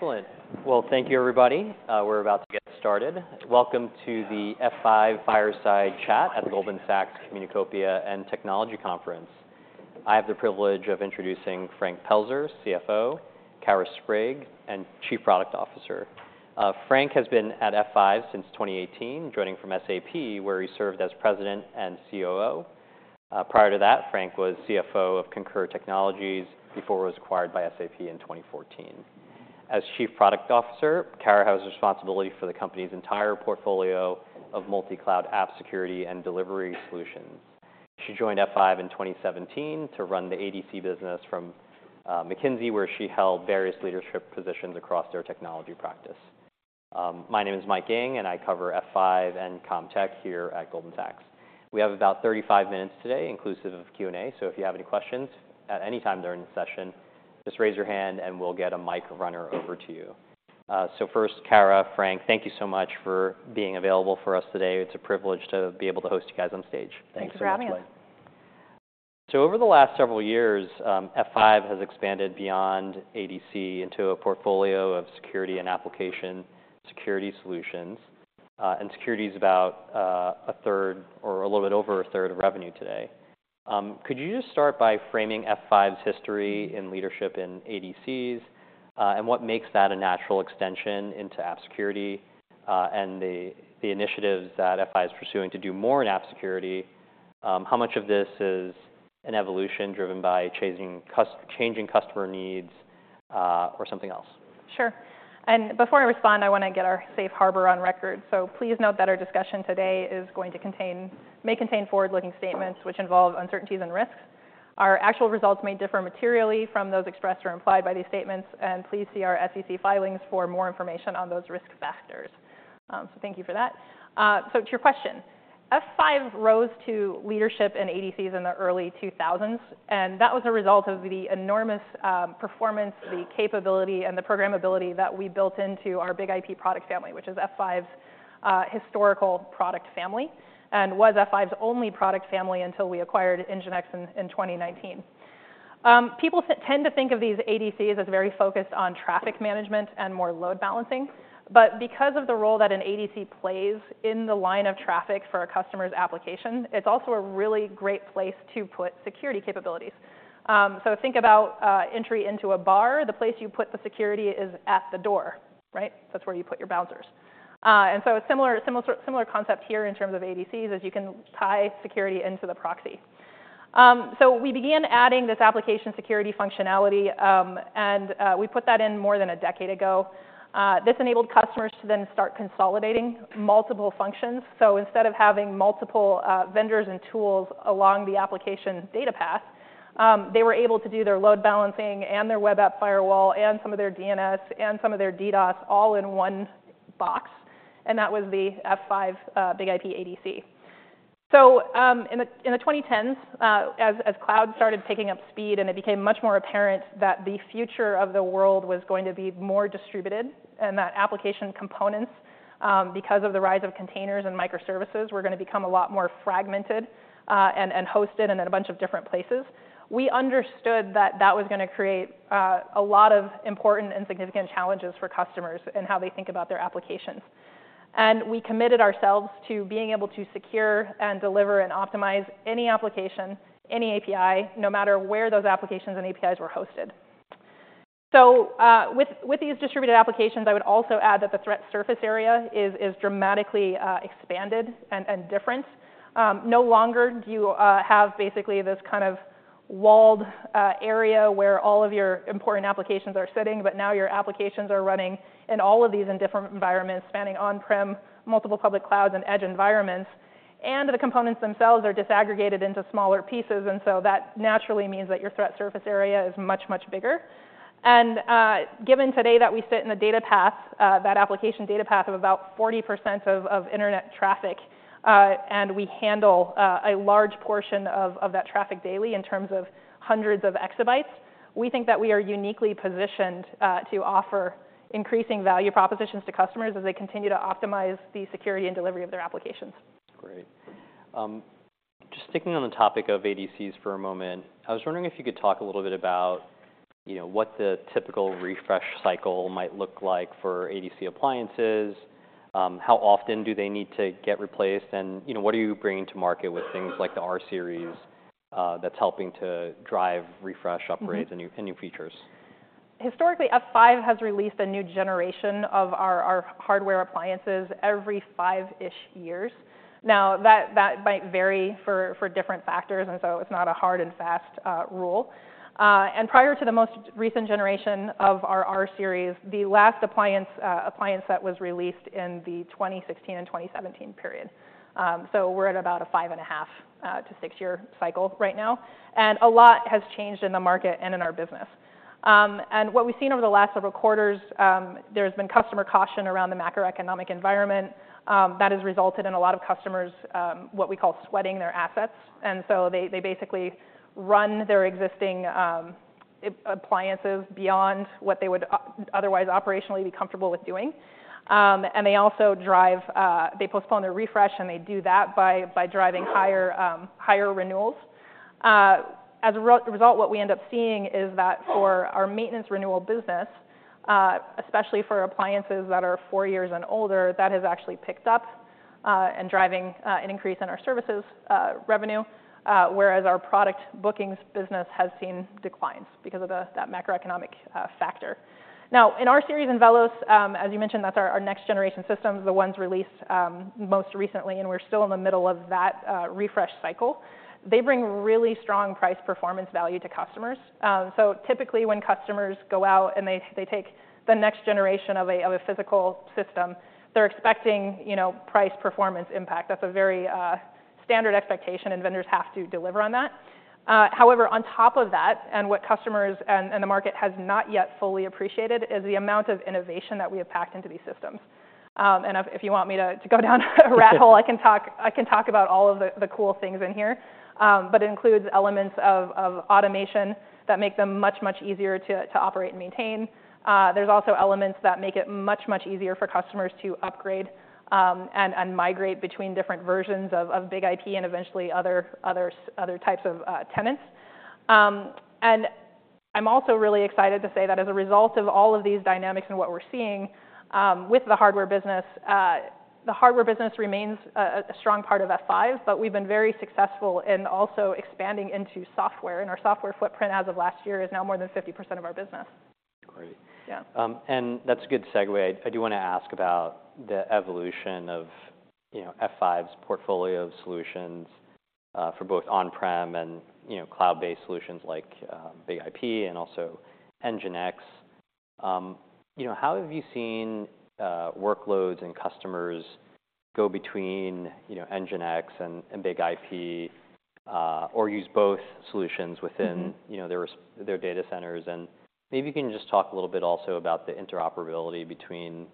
Excellent! Well, thank you, everybody. We're about to get started. Welcome to the F5 Fireside Chat at Goldman Sachs Communacopia and Technology Conference. I have the privilege of introducing Frank Pelzer, CFO, Kara Sprague, and Chief Product Officer. Frank has been at F5 since 2018, joining from SAP, where he served as President and COO. Prior to that, Frank was CFO of Concur Technologies before it was acquired by SAP in 2014. As Chief Product Officer, Kara has responsibility for the company's entire portfolio of multi-cloud app security and delivery solutions. She joined F5 in 2017 to run the ADC business from McKinsey, where she held various leadership positions across their technology practice. My name is Michael Ng, and I cover F5 and CommTech here at Goldman Sachs. We have about 35 minutes today, inclusive of Q&A, so if you have any questions at any time during the session, just raise your hand and we'll get a mic runner over to you. So first, Kara, Frank, thank you so much for being available for us today. It's a privilege to be able to host you guys on stage. Thanks for having us. Excellent. So over the last several years, F5 has expanded beyond ADC into a portfolio of security and application security solutions. And security is about a third or a little bit over a third of revenue today. Could you just start by framing F5's history and leadership in ADCs, and what makes that a natural extension into app security, and the initiatives that F5 is pursuing to do more in app security? How much of this is an evolution driven by changing customer needs, or something else? Sure. And before I respond, I wanna get our safe harbor on record. So please note that our discussion today is going to contain, may contain forward-looking statements which involve uncertainties and risks. Our actual results may differ materially from those expressed or implied by these statements, and please see our SEC filings for more information on those risk factors. So thank you for that. So to your question, F5 rose to leadership in ADCs in the early 2000s, and that was a result of the enormous, performance, the capability, and the programmability that we built into our BIG-IP product family, which is F5's, historical product family, and was F5's only product family until we acquired NGINX in 2019. People tend to think of these ADCs as very focused on traffic management and more load balancing. But because of the role that an ADC plays in the line of traffic for a customer's application, it's also a really great place to put security capabilities. So think about entry into a bar. The place you put the security is at the door, right? That's where you put your bouncers. And so a similar sort, similar concept here in terms of ADCs, is you can tie security into the proxy. So we began adding this application security functionality, and we put that in more than a decade ago. This enabled customers to then start consolidating multiple functions. So instead of having multiple vendors and tools along the application data path, they were able to do their load balancing and their web app firewall and some of their DNS and some of their DDoS all in one box, and that was the F5 BIG-IP ADC. So, in the 2010s, as cloud started picking up speed and it became much more apparent that the future of the world was going to be more distributed, and that application components, because of the rise of containers and microservices, were gonna become a lot more fragmented, and hosted in a bunch of different places, we understood that that was gonna create a lot of important and significant challenges for customers in how they think about their applications. We committed ourselves to being able to secure and deliver and optimize any application, any API, no matter where those applications and APIs were hosted. So, with these distributed applications, I would also add that the threat surface area is dramatically expanded and different. No longer do you have basically this kind of walled area where all of your important applications are sitting, but now your applications are running in all of these different environments, spanning on-prem, multiple public clouds, and edge environments. The components themselves are disaggregated into smaller pieces, and so that naturally means that your threat surface area is much, much bigger. Given today that we sit in a data path, that application data path of about 40% of internet traffic, and we handle a large portion of that traffic daily in terms of 100+ exabytes, we think that we are uniquely positioned to offer increasing value propositions to customers as they continue to optimize the security and delivery of their applications. Great. Just sticking on the topic of ADCs for a moment, I was wondering if you could talk a little bit about, you know, what the typical refresh cycle might look like for ADC appliances? How often do they need to get replaced? And, you know, what are you bringing to market with things like the rSeries, that's helping to drive refresh upgrades- Mm-hmm... and new features? Historically, F5 has released a new generation of our, our hardware appliances every five-ish years. Now, that might vary for different factors, and it's not a hard and fast rule. Prior to the most recent generation of our rSeries, the last appliance that was released in the 2016 and 2017 period. We're at about a five and a half to six-year cycle right now, and a lot has changed in the market and in our business. What we've seen over the last several quarters, there's been customer caution around the macroeconomic environment that has resulted in a lot of customers, what we call sweating their assets. They basically run their existing appliances beyond what they would otherwise operationally be comfortable with doing. And they also drive. They postpone their refresh, and they do that by driving higher renewals. As a result, what we end up seeing is that for our maintenance renewal business, especially for appliances that are four years and older, that has actually picked up and driving an increase in our services revenue. Whereas our product bookings business has seen declines because of that macroeconomic factor. Now, in our rSeries and VELOS, as you mentioned, that's our next generation systems, the ones released most recently, and we're still in the middle of that refresh cycle. They bring really strong price performance value to customers. So typically, when customers go out and they take the next generation of a physical system, they're expecting, you know, price, performance, impact. That's a very standard expectation, and vendors have to deliver on that. However, on top of that, and what customers and the market has not yet fully appreciated, is the amount of innovation that we have packed into these systems. And if you want me to go down a rabbit hole, I can talk about all of the cool things in here. But it includes elements of automation that make them much easier to operate and maintain. There's also elements that make it much easier for customers to upgrade, and migrate between different versions of BIG-IP and eventually other types of tenants. I'm also really excited to say that as a result of all of these dynamics and what we're seeing with the hardware business, the hardware business remains a strong part of F5, but we've been very successful in also expanding into software, and our software footprint as of last year is now more than 50% of our business. Great. Yeah. And that's a good segue. I do want to ask about the evolution of, you know, F5's portfolio of solutions, for both on-prem and, you know, cloud-based solutions like, BIG-IP and also NGINX. You know, how have you seen, workloads and customers go between, you know, NGINX and BIG-IP, or use both solutions within- Mm-hmm... you know, their data centers? And maybe you can just talk a little bit also about the interoperability between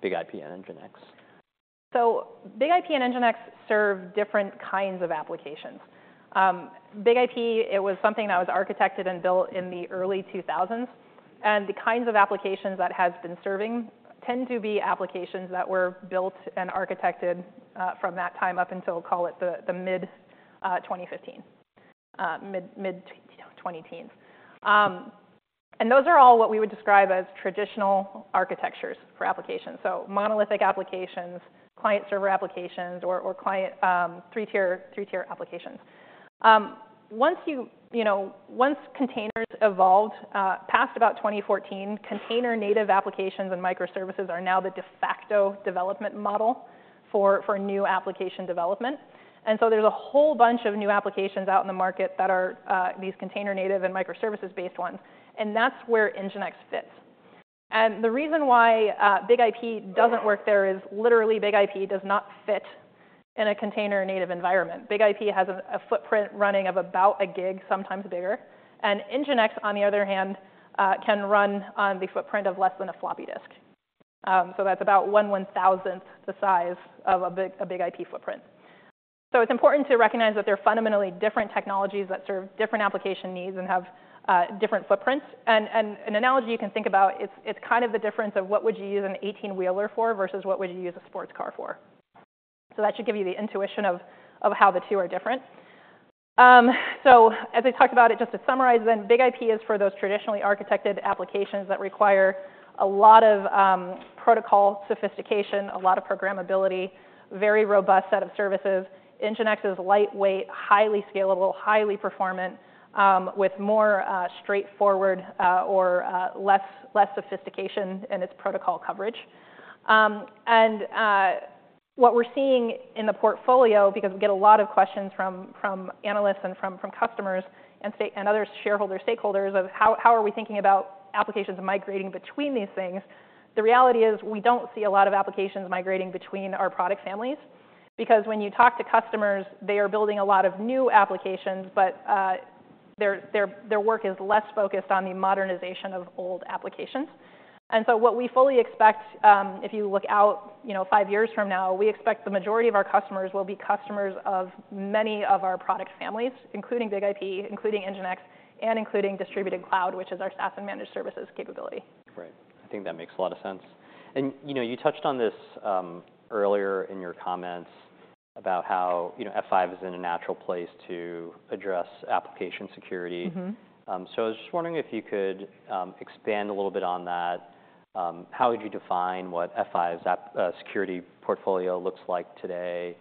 BIG-IP and NGINX. So BIG-IP and NGINX serve different kinds of applications. BIG-IP, it was something that was architected and built in the early 2000s, and the kinds of applications that it has been serving tend to be applications that were built and architected from that time up until, call it, the mid-2015, mid-2010s. And those are all what we would describe as traditional architectures for applications. So monolithic applications, client-server applications, or client three-tier applications. Once you know, once containers evolved past about 2014, container-native applications and microservices are now the de facto development model for new application development. And so there's a whole bunch of new applications out in the market that are these container-native and microservices-based ones, and that's where NGINX fits. The reason why BIG-IP doesn't work there is literally BIG-IP does not fit in a container-native environment. BIG-IP has a footprint running of about 1 GB, sometimes bigger, and NGINX, on the other hand, can run on the footprint of less than a floppy disk. That's about one one-thousandth the size of a BIG-IP footprint. It's important to recognize that they're fundamentally different technologies that serve different application needs and have different footprints. An analogy you can think about, it's kind of the difference of what would you use an eighteen-wheeler for versus what would you use a sports car for. That should give you the intuition of how the two are different. So as I talked about it, just to summarize then, BIG-IP is for those traditionally architected applications that require a lot of protocol sophistication, a lot of programmability, very robust set of services. NGINX is lightweight, highly scalable, highly performant, with more straightforward, or less sophistication in its protocol coverage. And what we're seeing in the portfolio, because we get a lot of questions from analysts and from customers, and other stakeholders of how we are thinking about applications and migrating between these things? The reality is, we don't see a lot of applications migrating between our product families, because when you talk to customers, they are building a lot of new applications, but their work is less focused on the modernization of old applications. What we fully expect, if you look out, you know, five years from now, we expect the majority of our customers will be customers of many of our product families, including BIG-IP, including NGINX, and including Distributed Cloud, which is our SaaS and managed services capability. Great. I think that makes a lot of sense. And you know, you touched on this earlier in your comments about how, you know, F5 is in a natural place to address application security. Mm-hmm. I was just wondering if you could expand a little bit on that. How would you define what F5's app security portfolio looks like today,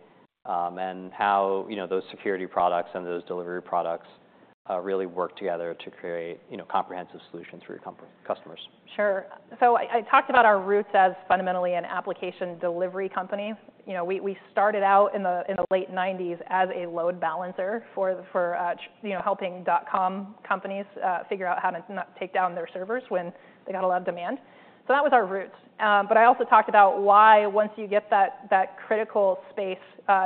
and how, you know, those security products and those delivery products really work together to create, you know, comprehensive solutions for your customers? Sure. So I talked about our roots as fundamentally an application delivery company. You know, we started out in the late nineties as a load balancer, you know, helping dot-com companies figure out how to not take down their servers when they got a lot of demand. So that was our roots. But I also talked about why once you get that critical space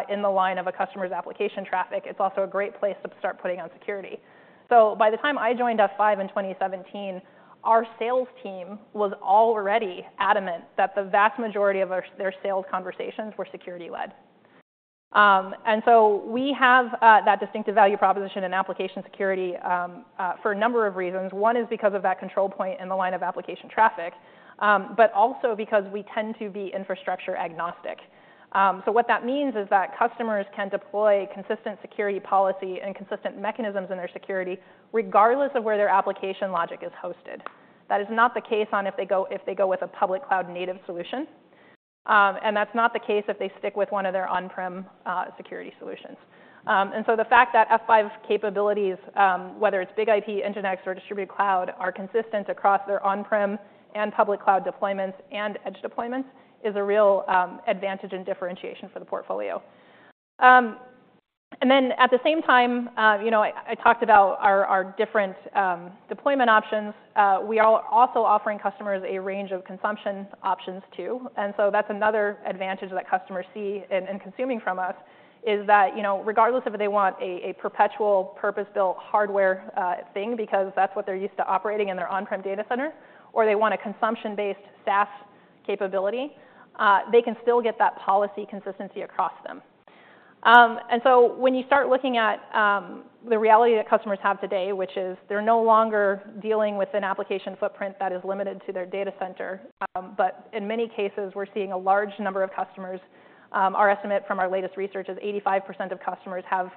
in the line of a customer's application traffic, it's also a great place to start putting on security. So by the time I joined F5 in 2017, our sales team was already adamant that the vast majority of their sales conversations were security-led. And so we have that distinctive value proposition in application security for a number of reasons. One is because of that control point in the line of application traffic, but also because we tend to be infrastructure agnostic. So what that means is that customers can deploy consistent security policy and consistent mechanisms in their security, regardless of where their application logic is hosted. That is not the case if they go with a public cloud native solution. And that's not the case if they stick with one of their on-prem security solutions. And so the fact that F5 capabilities, whether it's BIG-IP, NGINX, or Distributed Cloud, are consistent across their on-prem and public cloud deployments and edge deployments, is a real advantage and differentiation for the portfolio. And then at the same time, you know, I talked about our different deployment options. We are also offering customers a range of consumption options, too. And so that's another advantage that customers see in consuming from us, is that, you know, regardless of if they want a perpetual, purpose-built hardware thing, because that's what they're used to operating in their on-prem data center, or they want a consumption-based SaaS capability, they can still get that policy consistency across them. And so when you start looking at the reality that customers have today, which is they're no longer dealing with an application footprint that is limited to their data center, but in many cases, we're seeing a large number of customers... Our estimate from our latest research is 85% of customers have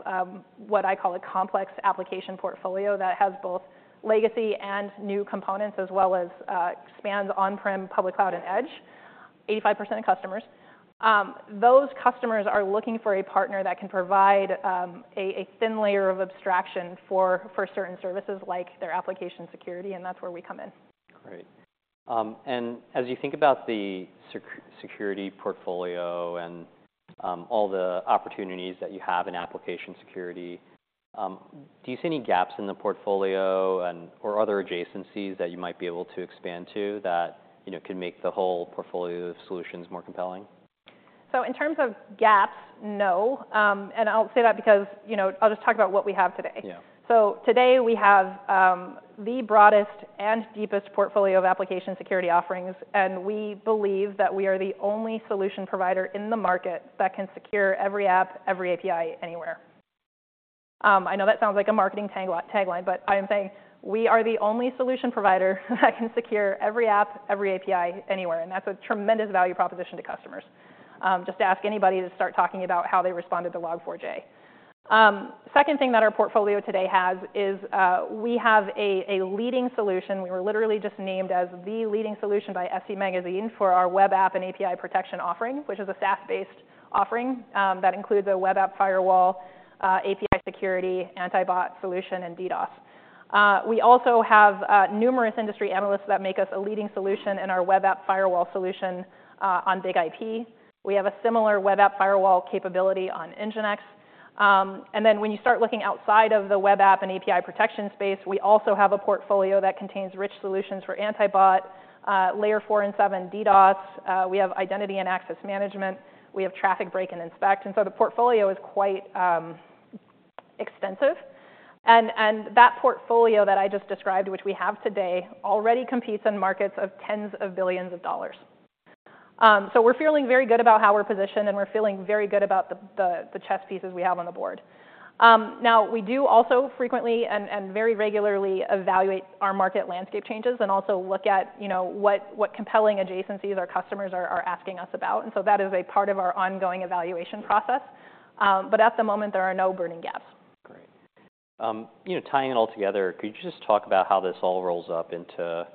what I call a complex application portfolio that has both legacy and new components, as well as spans on-prem, public cloud, and edge, 85% of customers. Those customers are looking for a partner that can provide a thin layer of abstraction for certain services like their application security, and that's where we come in. Great. And as you think about the security portfolio and all the opportunities that you have in application security, do you see any gaps in the portfolio and/or other adjacencies that you might be able to expand to, that, you know, could make the whole portfolio of solutions more compelling? In terms of gaps, no. I'll say that because, you know... I'll just talk about what we have today. Yeah. So today we have the broadest and deepest portfolio of application security offerings, and we believe that we are the only solution provider in the market that can secure every app, every API, anywhere. I know that sounds like a marketing tagline, but I am saying we are the only solution provider that can secure every app, every API, anywhere, and that's a tremendous value proposition to customers. Just ask anybody to start talking about how they responded to Log4j. Second thing that our portfolio today has is we have a leading solution. We were literally just named as the leading solution by SC Magazine for our Web App and API Protection offering, which is a SaaS-based offering that includes a Web App Firewall, API security, anti-bot solution, and DDoS. We also have numerous industry analysts that make us a leading solution in our web app firewall solution on BIG-IP. We have a similar web app firewall capability on NGINX. And then when you start looking outside of the web app and API protection space, we also have a portfolio that contains rich solutions for anti-bot, Layer 4 and 7 DDoS. We have Identity and Access Management. We have traffic break and inspect, and so the portfolio is quite extensive. And that portfolio that I just described, which we have today, already competes in markets of tens of billions of dollars. So we're feeling very good about how we're positioned, and we're feeling very good about the chess pieces we have on the board. Now, we do also frequently and very regularly evaluate our market landscape changes and also look at, you know, what compelling adjacencies our customers are asking us about, and so that is a part of our ongoing evaluation process. But at the moment, there are no burning gaps. Great. You know, tying it all together, could you just talk about how this all rolls up into,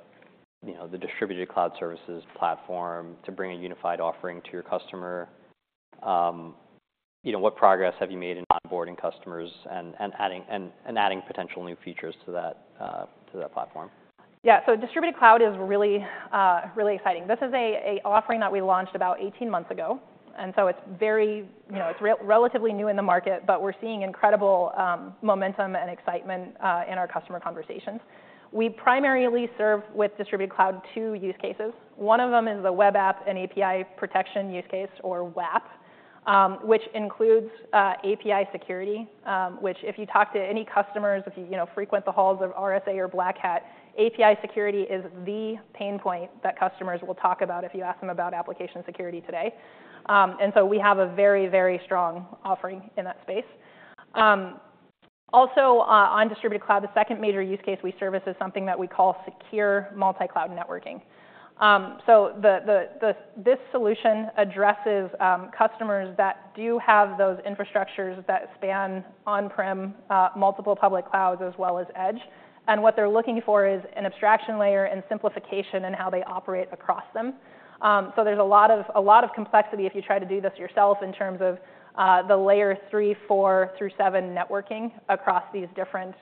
you know, the Distributed Cloud Services platform to bring a unified offering to your customer? You know, what progress have you made in onboarding customers and adding potential new features to that platform? Yeah. So Distributed Cloud is really, really exciting. This is a offering that we launched about 18 months ago, and so it's very- Yeah... you know, it's relatively new in the market, but we're seeing incredible, momentum and excitement, in our customer conversations. We primarily serve, with Distributed Cloud, two use cases. One of them is the Web App and API Protection use case, or WAAP, which includes, API security, which if you talk to any customers, if you, you know, frequent the halls of RSA or Black Hat, API security is the pain point that customers will talk about if you ask them about application security today. And so we have a very, very strong offering in that space. Also, on Distributed Cloud, the second major use case we service is something that we call secure multi-cloud networking. So this solution addresses customers that do have those infrastructures that span on-prem, multiple public clouds, as well as edge, and what they're looking for is an abstraction layer and simplification in how they operate across them. So there's a lot of complexity if you try to do this yourself in terms of the Layer 3, 4 through 7 networking across these different,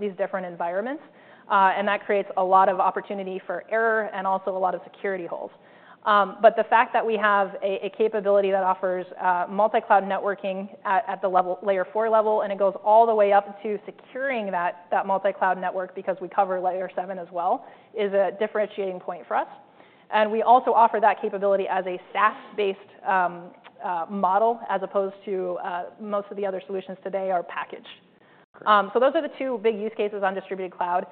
these different environments, and that creates a lot of opportunity for error and also a lot of security holes. But the fact that we have a capability that offers multi-cloud networking at the Layer 4 level, and it goes all the way up to securing that multi-cloud network, because we cover Layer 7 as well, is a differentiating point for us. And we also offer that capability as a SaaS-based model, as opposed to most of the other solutions today are packaged. So those are the two big use cases on Distributed Cloud.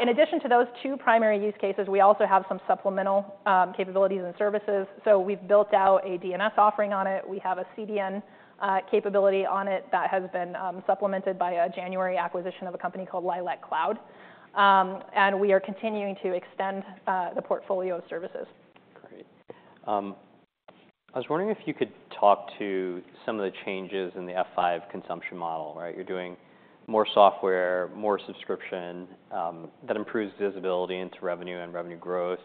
In addition to those two primary use cases, we also have some supplemental capabilities and services. So we've built out a DNS offering on it. We have a CDN capability on it that has been supplemented by a January acquisition of a company called Lilac Cloud. And we are continuing to extend the portfolio of services. Great. I was wondering if you could talk to some of the changes in the F5 consumption model, right? You're doing more software, more subscription, that improves visibility into revenue and revenue growth.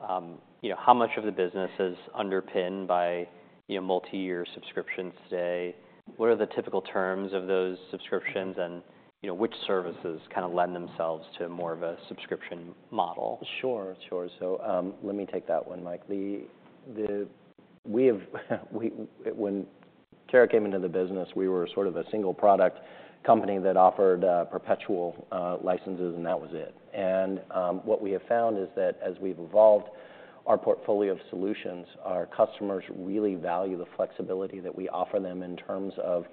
You know, how much of the business is underpinned by, you know, multi-year subscriptions today? What are the typical terms of those subscriptions, and, you know, which services kind of lend themselves to more of a subscription model? Sure, sure. So, let me take that one, Mike. When Kara came into the business, we were sort of a single product company that offered perpetual licenses, and that was it. And, what we have found is that as we've evolved our portfolio of solutions, our customers really value the flexibility that we offer them in terms of,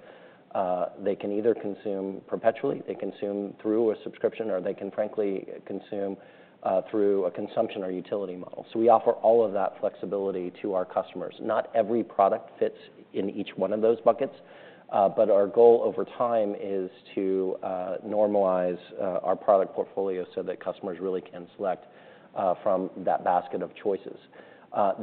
they can either consume perpetually, they consume through a subscription, or they can, frankly, consume through a consumption or utility model. So we offer all of that flexibility to our customers. Not every product fits in each one of those buckets, but our goal over time is to normalize our product portfolio so that customers really can select from that basket of choices.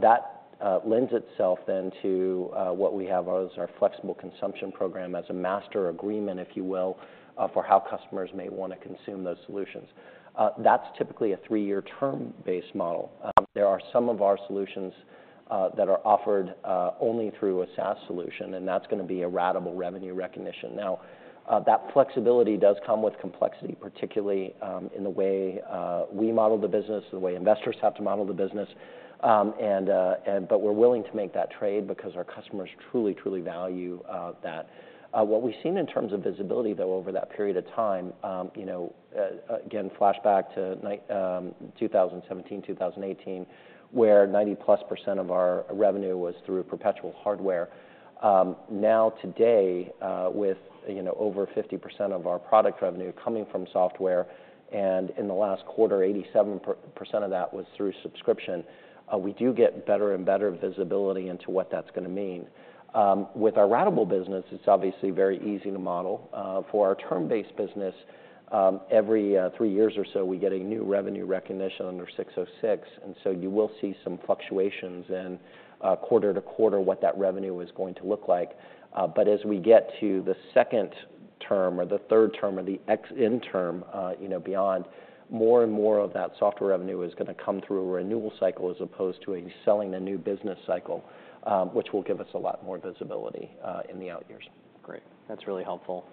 That lends itself then to what we have as our Flexible Consumption Program, as a master agreement, if you will, for how customers may want to consume those solutions. That's typically a three-year term-based model. There are some of our solutions that are offered only through a SaaS solution, and that's gonna be a ratable revenue recognition. Now, that flexibility does come with complexity, particularly, in the way we model the business, the way investors have to model the business. But we're willing to make that trade because our customers truly, truly value that. What we've seen in terms of visibility, though, over that period of time, you know, again, flashback to 2017, 2018, where 90%+ of our revenue was through perpetual hardware. Now, today, with, you know, over 50% of our product revenue coming from software, and in the last quarter, 87% of that was through subscription, we do get better and better visibility into what that's gonna mean. With our ratable business, it's obviously very easy to model. For our term-based business, every three years or so, we get a new revenue recognition under 606, and so you will see some fluctuations in quarter-to-quarter, what that revenue is going to look like. But as we get to the second term or the third term or the X N term, you know, beyond, more and more of that software revenue is gonna come through a renewal cycle as opposed to a selling a new business cycle, which will give us a lot more visibility, in the out years. Great. That's really helpful.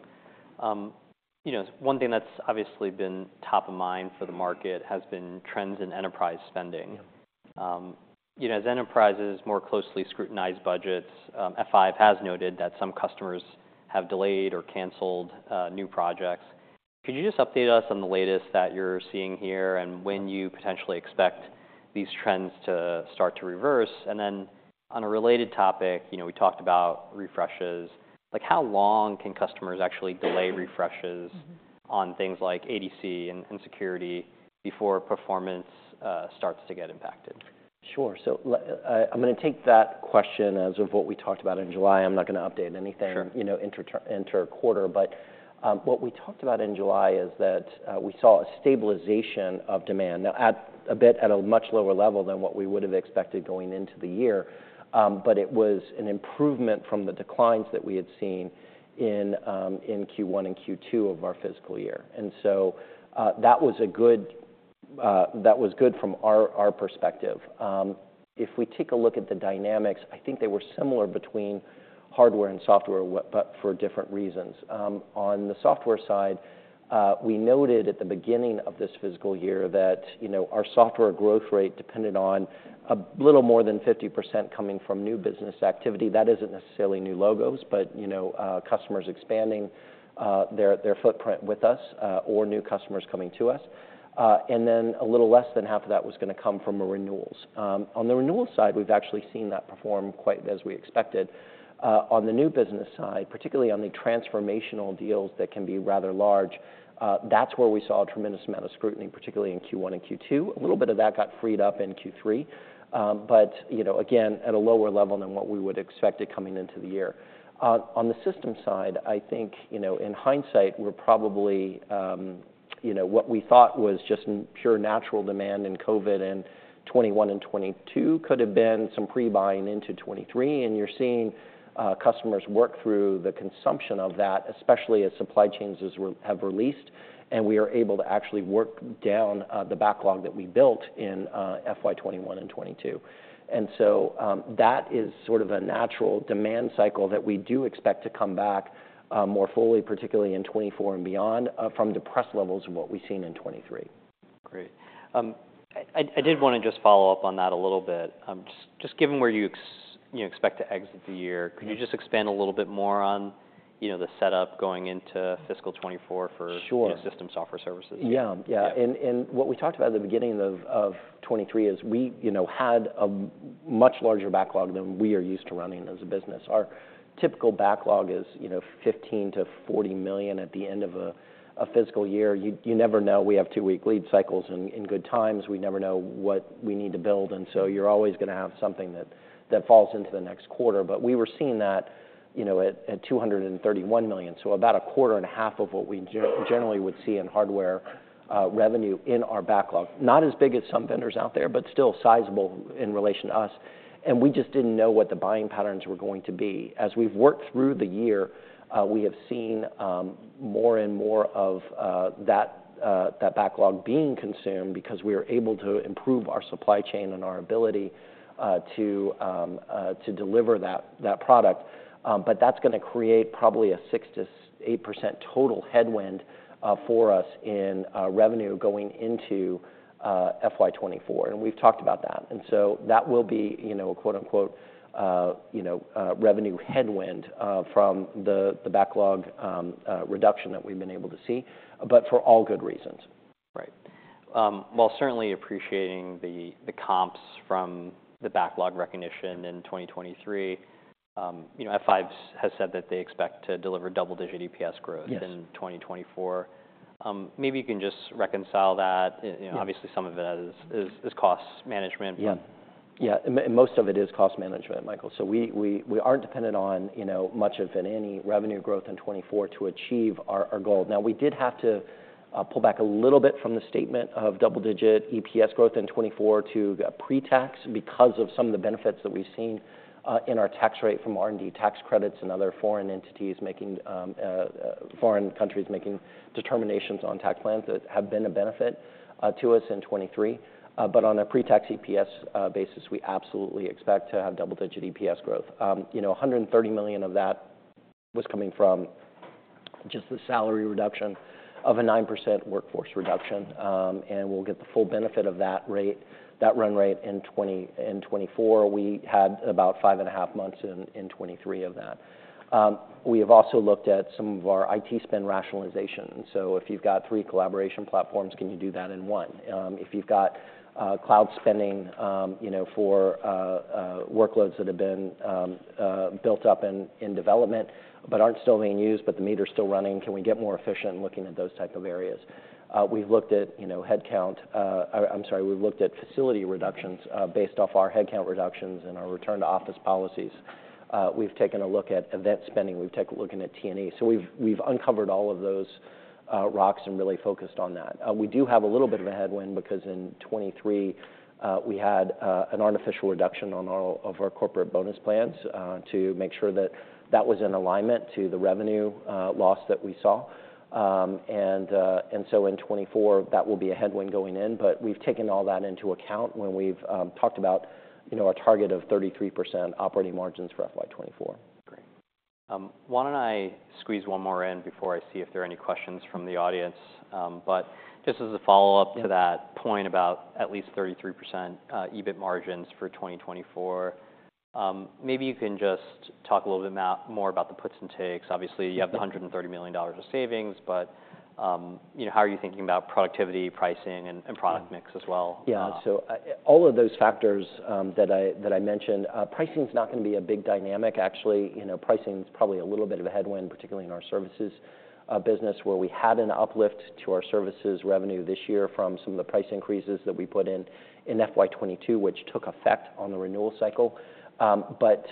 You know, one thing that's obviously been top of mind for the market has been trends in enterprise spending. You know, as enterprises more closely scrutinize budgets, F5 has noted that some customers have delayed or canceled new projects. Could you just update us on the latest that you're seeing here and when you potentially expect these trends to start to reverse? And then, on a related topic, you know, we talked about refreshes. Like, how long can customers actually delay refreshes- Mm-hmm. on things like ADC and security before performance starts to get impacted? Sure. So, I'm gonna take that question as of what we talked about in July. I'm not gonna update anything- Sure... you know, inter-quarter. But, what we talked about in July is that, we saw a stabilization of demand. Now, at a much lower level than what we would have expected going into the year, but it was an improvement from the declines that we had seen in, in Q1 and Q2 of our fiscal year, and so, that was a good, that was good from our, our perspective. If we take a look at the dynamics, I think they were similar between hardware and software, but for different reasons. On the software side, we noted at the beginning of this fiscal year that, you know, our software growth rate depended on a little more than 50% coming from new business activity. That isn't necessarily new logos, but, you know, customers expanding their footprint with us or new customers coming to us. And then a little less than half of that was gonna come from the renewals. On the renewals side, we've actually seen that perform quite as we expected. On the new business side, particularly on the transformational deals that can be rather large, that's where we saw a tremendous amount of scrutiny, particularly in Q1 and Q2. A little bit of that got freed up in Q3, but, you know, again, at a lower level than what we would expected coming into the year. On the system side, I think, you know, in hindsight, we're probably, you know, what we thought was just pure natural demand in COVID in 2021 and 2022 could have been some pre-buying into 2023, and you're seeing customers work through the consumption of that, especially as supply chains have released, and we are able to actually work down the backlog that we built in FY 2021 and 2022. And so, that is sort of a natural demand cycle that we do expect to come back more fully, particularly in 2024 and beyond, from depressed levels of what we've seen in 2023. Great. I did wanna just follow up on that a little bit. Just given where you know, expect to exit the year. Yeah. Could you just expand a little bit more on, you know, the setup going into fiscal 2024 for- Sure. - System software services? Yeah. Yeah. Yeah. And what we talked about at the beginning of 2023 is we, you know, had a much larger backlog than we are used to running as a business. Our typical backlog is, you know, $15 million-$40 million at the end of a fiscal year. You never know, we have two-week lead cycles in good times. We never know what we need to build, and so you're always gonna have something that falls into the next quarter. But we were seeing that, you know, at $231 million, so about a quarter and a half of what we generally would see in hardware revenue in our backlog. Not as big as some vendors out there, but still sizable in relation to us, and we just didn't know what the buying patterns were going to be. As we've worked through the year, we have seen more and more of that backlog being consumed because we are able to improve our supply chain and our ability to deliver that product. But that's gonna create probably a 6%-8% total headwind for us in revenue going into FY 2024, and we've talked about that. And so that will be, you know, a quote, unquote, you know, revenue headwind from the backlog reduction that we've been able to see, but for all good reasons. Right. While certainly appreciating the comps from the backlog recognition in 2023, you know, F5 has said that they expect to deliver double-digit EPS growth- Yes... in 2024. Maybe you can just reconcile that. Yeah. You know, obviously, some of it is cost management. Yeah. Yeah, most of it is cost management, Michael. So we aren't dependent on, you know, much of any revenue growth in 2024 to achieve our goal. Now, we did have to pull back a little bit from the statement of double-digit EPS growth in 2024 to pre-tax because of some of the benefits that we've seen in our tax rate from R&D tax credits and other foreign countries making determinations on tax plans that have been a benefit to us in 2023. But on a pre-tax EPS basis, we absolutely expect to have double-digit EPS growth. You know, $130 million of that was coming from just the salary reduction of a 9% workforce reduction, and we'll get the full benefit of that rate, that run rate in twenty... in 2024. We had about five and a half months in, in 2023 of that. We have also looked at some of our IT spend rationalization. So if you've got three collaboration platforms, can you do that in one? If you've got cloud spending, you know, for workloads that have been built up in development but aren't still being used, but the meter's still running, can we get more efficient looking at those type of areas? We've looked at, you know, headcount. I'm sorry, we've looked at facility reductions based off our headcount reductions and our return-to-office policies. We've taken a look at event spending. We've taken a look at T&E. So we've uncovered all of those rocks and really focused on that. We do have a little bit of a headwind because in 2023, we had an artificial reduction on all of our corporate bonus plans to make sure that that was in alignment to the revenue loss that we saw. And so in 2024, that will be a headwind going in, but we've taken all that into account when we've talked about, you know, a target of 33% operating margins for FY 2024. Great. Why don't I squeeze one more in before I see if there are any questions from the audience? But just as a follow-up- Yeah... to that point about at least 33% EBIT margins for 2024, maybe you can just talk a little bit more about the puts and takes. Yeah. Obviously, you have the $130 million of savings, but, you know, how are you thinking about productivity, pricing, and, and product mix as well? Yeah. So, all of those factors that I mentioned, pricing is not gonna be a big dynamic actually. You know, pricing is probably a little bit of a headwind, particularly in our services business, where we had an uplift to our services revenue this year from some of the price increases that we put in in FY 2022, which took effect on the renewal cycle. But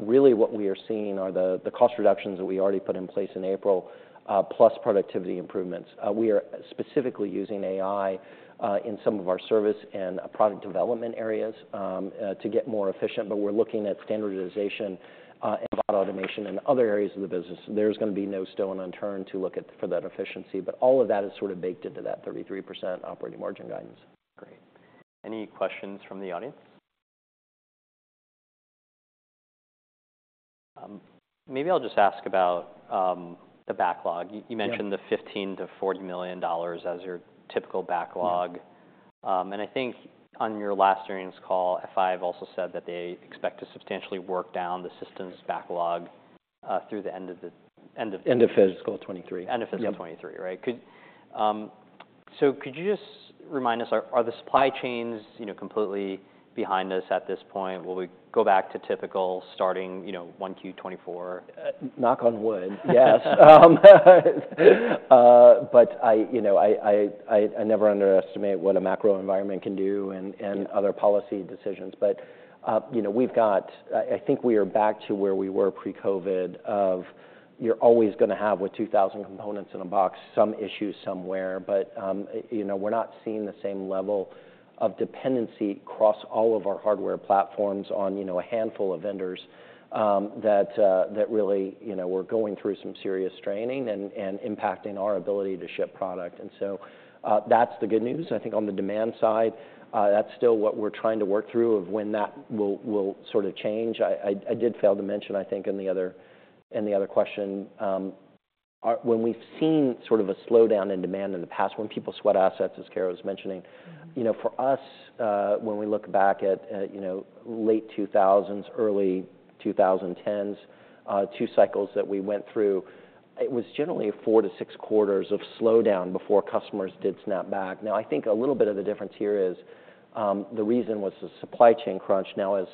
really what we are seeing are the cost reductions that we already put in place in April plus productivity improvements. We are specifically using AI in some of our service and product development areas to get more efficient, but we're looking at standardization and automation in other areas of the business. There's gonna be no stone unturned to look at for that efficiency, but all of that is sort of baked into that 33% operating margin guidance. Great. Any questions from the audience? Maybe I'll just ask about the backlog. Yeah. You mentioned the $15 million-$40 million as your typical backlog. Yeah. I think on your last earnings call, F5 also said that they expect to substantially work down the system's backlog, through the end of End of fiscal 2023. End of fiscal 2023, right? Yeah. So could you just remind us, are, are the supply chains, you know, completely behind us at this point? Will we go back to typical starting, you know, 1Q 2024? Knock on wood. But you know, I never underestimate what a macro environment can do- Yeah... and other policy decisions. But, you know, we've got. I think we are back to where we were pre-COVID of you're always gonna have, with 2000 components in a box, some issues somewhere. But, you know, we're not seeing the same level of dependency across all of our hardware platforms on, you know, a handful of vendors, that really, you know, were going through some serious straining and impacting our ability to ship product. And so, that's the good news. I think on the demand side, that's still what we're trying to work through, of when that will sort of change. I did fail to mention, I think, in the other question... When we've seen sort of a slowdown in demand in the past, when people sweat assets, as Kara was mentioning- Mm. You know, for us, when we look back at, you know, late 2000s, early 2010s, two cycles that we went through, it was generally a four to six quarters of slowdown before customers did snap back. Now, I think a little bit of the difference here is, the reason was the supply chain crunch. Now, as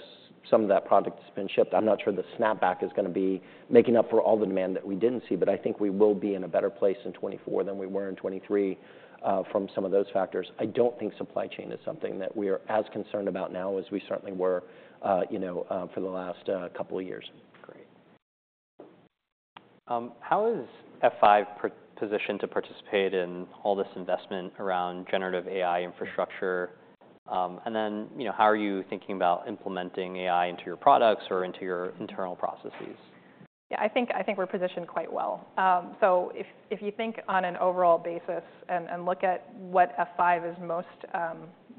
some of that product has been shipped, I'm not sure the snap back is gonna be making up for all the demand that we didn't see, but I think we will be in a better place in 2024 than we were in 2023, from some of those factors. I don't think supply chain is something that we are as concerned about now as we certainly were, you know, for the last couple of years. Great. How is F5 positioned to participate in all this investment around generative AI infrastructure? And then, you know, how are you thinking about implementing AI into your products or into your internal processes? Yeah, I think, I think we're positioned quite well. So if, if you think on an overall basis and, and look at what F5 is most,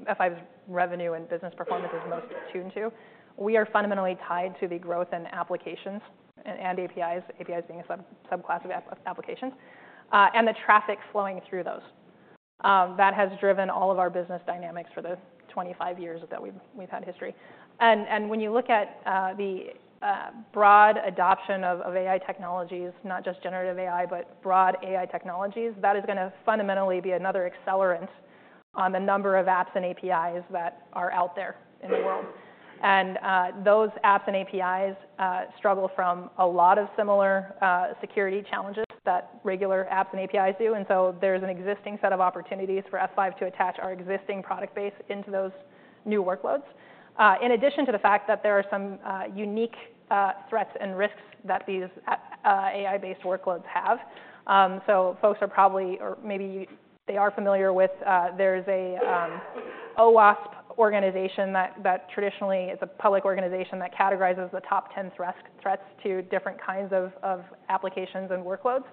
F5's revenue and business performance is most attuned to, we are fundamentally tied to the growth in applications and, and APIs, APIs being a sub- subclass of app- applications, and the traffic flowing through those. That has driven all of our business dynamics for the 25 years that we've, we've had history. And, and when you look at, the, broad adoption of, of AI technologies, not just generative AI, but broad AI technologies, that is gonna fundamentally be another accelerant on the number of apps and APIs that are out there in the world. Those apps and APIs struggle from a lot of similar security challenges that regular apps and APIs do, and so there's an existing set of opportunities for F5 to attach our existing product base into those new workloads. In addition to the fact that there are some unique threats and risks that these AI-based workloads have. So folks are probably, or maybe you they are familiar with, there's an OWASP organization that traditionally, it's a public organization that categorizes the top ten threats to different kinds of applications and workloads.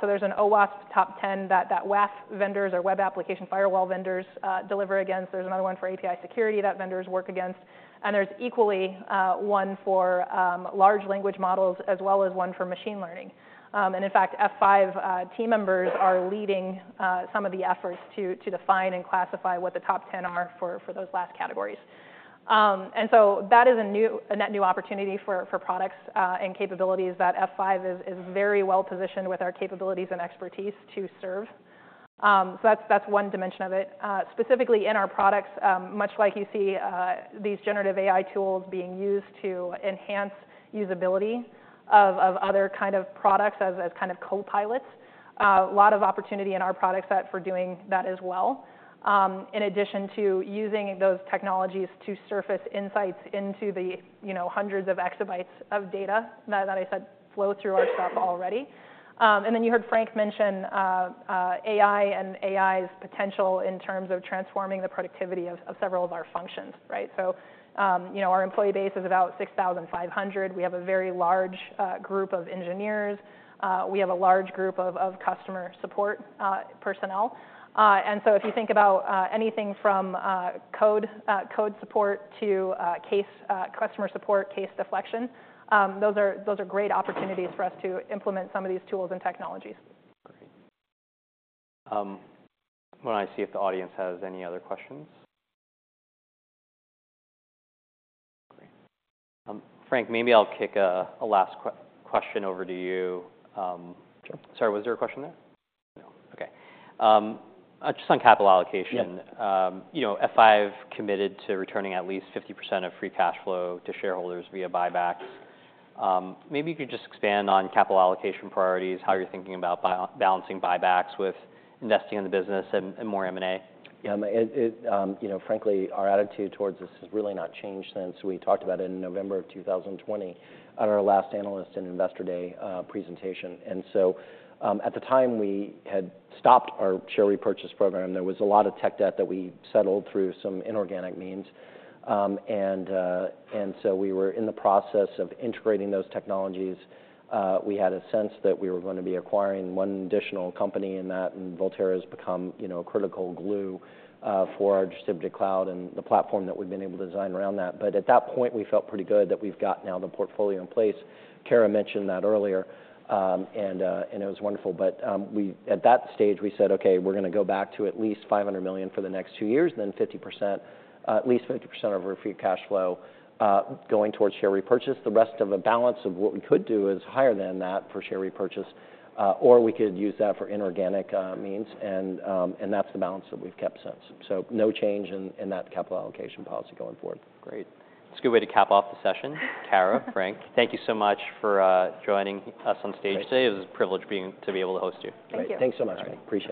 So there's an OWASP Top 10 that WAF vendors or web application firewall vendors deliver against. There's another one for API security that vendors work against, and there's equally one for large language models, as well as one for machine learning. And in fact, F5 team members are leading some of the efforts to define and classify what the top ten are for those last categories. And so that is a new, a net new opportunity for products and capabilities that F5 is very well-positioned with our capabilities and expertise to serve. So that's one dimension of it. Specifically in our products, much like you see these generative AI tools being used to enhance usability of other kind of products as kind of co-pilots, a lot of opportunity in our product set for doing that as well. In addition to using those technologies to surface insights into the, you know, hundreds of exabytes of data that I said flow through our stuff already. And then you heard Frank mention AI and AI's potential in terms of transforming the productivity of several of our functions, right? So, you know, our employee base is about 6,500. We have a very large group of engineers. We have a large group of customer support personnel. And so if you think about anything from code support to case customer support, case deflection, those are great opportunities for us to implement some of these tools and technologies. Great. Why don't I see if the audience has any other questions? Great. Frank, maybe I'll kick a last question over to you. Sure. Sorry, was there a question there? No. Okay. Just on capital allocation- Yep... you know, F5 committed to returning at least 50% of free cash flow to shareholders via buybacks. Maybe you could just expand on capital allocation priorities, how you're thinking about buy-balancing buybacks with investing in the business and more M&A. Yeah, you know, frankly, our attitude towards this has really not changed since we talked about it in November of 2020 at our last Analyst and Investor Day presentation. And so, at the time, we had stopped our share repurchase program. There was a lot of tech debt that we settled through some inorganic means. And so we were in the process of integrating those technologies. We had a sense that we were gonna be acquiring one additional company in that, and Volterra has become, you know, a critical glue, for our Distributed Cloud and the platform that we've been able to design around that. But at that point, we felt pretty good that we've got now the portfolio in place. Kara mentioned that earlier, and it was wonderful. But, we... At that stage, we said, "Okay, we're gonna go back to at least $500 million for the next two years, then 50%, at least 50% of our free cash flow going towards share repurchase." The rest of the balance of what we could do is higher than that for share repurchase, or we could use that for inorganic means, and, and that's the balance that we've kept since. So no change in that capital allocation policy going forward. Great. It's a good way to cap off the session. Kara, Frank, thank you so much for joining us on stage today. Thanks. It was a privilege to be able to host you. Thank you. Great. Thanks so much. All right. Appreciate it.